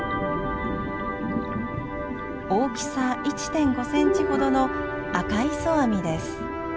大きさ１．５センチほどのアカイソアミです。